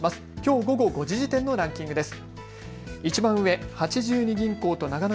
きょう午後５時時点のランキングです。